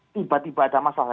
tiba tiba ada masalah